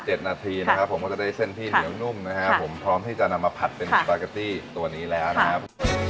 นาทีนะครับผมก็จะได้เส้นที่เหนียวนุ่มนะครับผมพร้อมที่จะนำมาผัดเป็นสปาเกตตี้ตัวนี้แล้วนะครับ